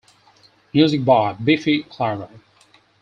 Music by Biffy Clyro.